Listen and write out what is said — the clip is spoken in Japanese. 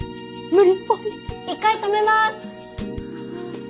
一回止めます。